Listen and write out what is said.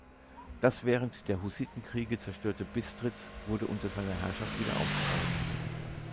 Das während der Hussitenkriege zerstörte Bistritz wurde unter seiner Herrschaft wieder aufgebaut.